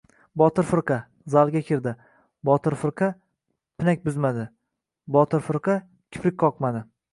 Botir firqa... zalga tikildi. Botir firqa... pinak buzmadi. Botir firqa... kiprik qoqmadi! -